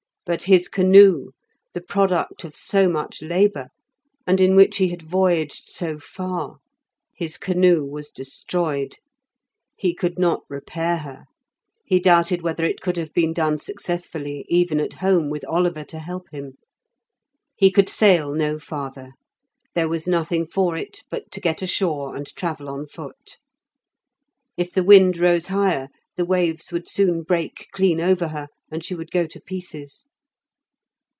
But his canoe, the product of so much labour, and in which he had voyaged so far, his canoe was destroyed. He could not repair her; he doubted whether it could have been done successfully even at home with Oliver to help him. He could sail no farther; there was nothing for it but to get ashore and travel on foot. If the wind rose higher, the waves would soon break clean over her, and she would go to pieces.